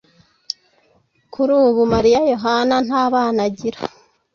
Kuri ubu Mariya Yohana nta bana agira